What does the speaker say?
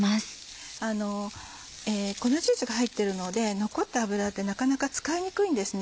粉チーズが入ってるので残った油ってなかなか使いにくいんですね。